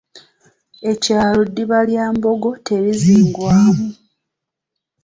Ekyalo ddiba lya mbogo terizingwa omu